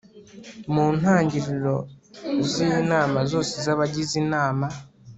Mu ntagiriro z inama zose z abagize Inama